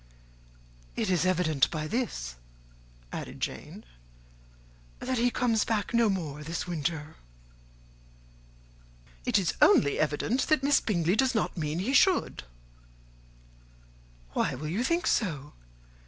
"It is evident by this," added Jane, "that he comes back no more this winter." "It is only evident that Miss Bingley does not mean he should." "Why will you think so?